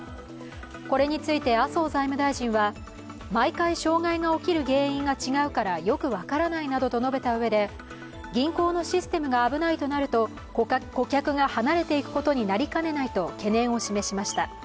これについて、麻生財務大臣は毎回障害が起きる原因が違うからよく分からないなどと述べたうえで、銀行のシステムが危ないとなると顧客が離れていくことになりかねないと懸念を示しました。